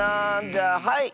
じゃあはい！